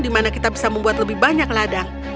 di mana kita bisa membuat lebih banyak ladang